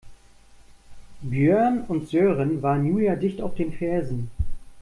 Björn und Sören waren Julia dicht auf den Fersen.